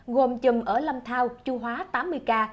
gồm chùm ở lâm thao chu hóa tám mươi k